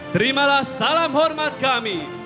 terimalah salam hormat kami